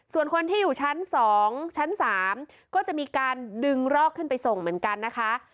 ส่วนคนที่อยู่ชั้น๒ชั้น๓ก็จะมีการดึงรอกขึ้นไปส่งเหมือนกันนะคะ